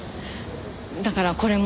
だからこれも。